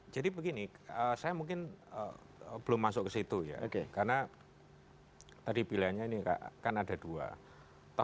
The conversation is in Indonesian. begini saya mungkin belum masuk ke situ ya karena tadi pilihannya ini kan ada dua faktor